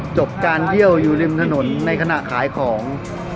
จบการเยี่ยวอยู่ริมถนนในขณะขายของ